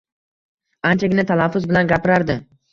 anchagina talaffuz bilan gapirardi.